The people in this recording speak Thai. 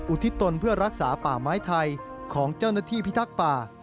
อุทิศตนเพื่อรักษาป่าไม้ไทยของเจ้าหน้าที่พิทักษ์ป่า